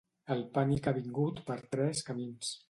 El pànic ha vingut per tres camins.